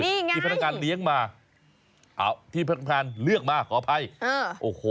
นี่ไงที่พนักงานเลี้ยงมาเอาที่พนักงานเลือกมาขออภัยอ่าโอ้โห